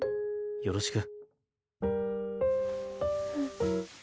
よろしく。